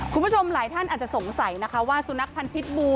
คุณผู้ชมหลายท่านอาจจะสงสัยนะคะว่าสุนัขพันธ์พิษบู